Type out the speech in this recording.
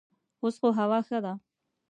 اوس خو هوا ښه ده.